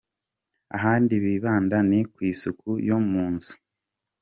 Ahandi bibanda ni ku isuku yo mu nzu.